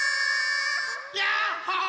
やっほー！